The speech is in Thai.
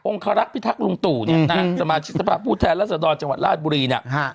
คารักษ์พิทักษ์ลุงตู่เนี่ยนะสมาชิกสภาพผู้แทนรัศดรจังหวัดราชบุรีเนี่ย